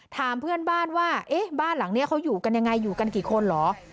ถามเพื่อนบ้านว่าเอ๊ะบ้านหลังนี้เขาอยู่กันยังไงอยู่กันกี่คนเหรอ